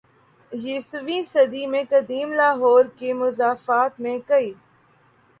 یسویں صدی میں قدیم لاہور کے مضافات میں کئی